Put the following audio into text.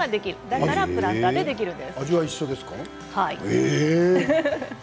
だからプランターでできるんです。